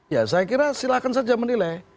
ya saya kira silahkan saja menilai